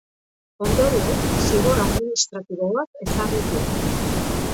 Ondorioz, zigor administratibo bat ezarri diote.